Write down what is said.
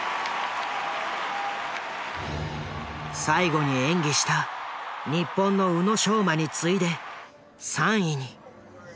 最後に演技した日本の宇野昌磨に次いで３位に。